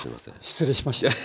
失礼しました。